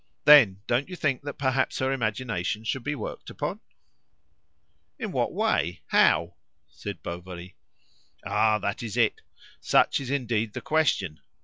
Then, don't you think that perhaps her imagination should be worked upon?" "In what way? How?" said Bovary. "Ah! that is it. Such is indeed the question.